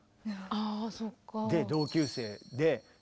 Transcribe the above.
あそうか。